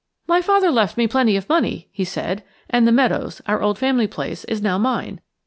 "My father left me plenty of money," he said, "and The Meadows, our old family place, is now mine.